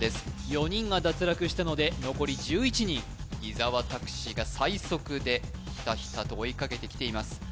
４人が脱落したので残り１１人伊沢拓司が最速でひたひたと追いかけてきています